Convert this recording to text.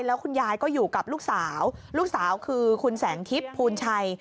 แล้วคุณยายก็อยู่กับลูกสาวลูกสาวคือคุณแสงทิพย์ภูลชัย